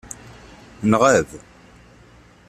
Nɣab.